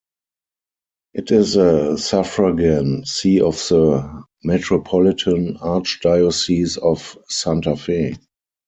It is a suffragan see of the Metropolitan Archdiocese of Santa Fe.